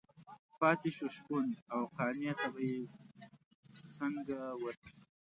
پاتې شو شپون او قانع ته به یې څنګه ورکړي.